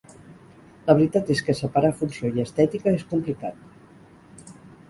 La veritat és que separar funció i estètica és complicat.